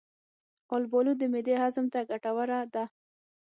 البالو د معدې هضم ته ګټوره ده.